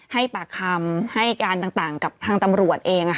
ให้ปากคำให้การต่างกับทางตำรวจเอง